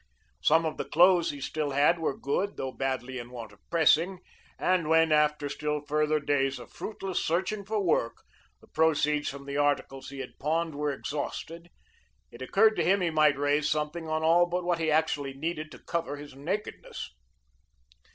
Some of the clothes he still had were good, though badly in want of pressing, and when, after still further days of fruitless searching for work the proceeds from the articles he had pawned were exhausted, it occurred to him he might raise something on all but what he actually needed to cover his nakedness.